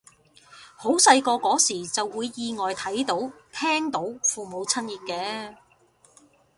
好細個嗰時就會意外睇到聽到父母親熱嘅